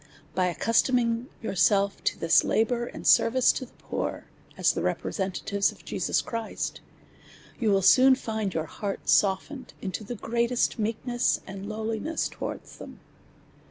By accustoming yourselves to this labour and service to the poor, as the representatives of Jesus Christ, you will soon find your hearts softened into the greatest meekness and lowlinesg towards them.